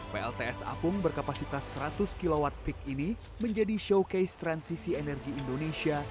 plts apung berkapasitas seratus kw peak ini menjadi showcase transisi energi indonesia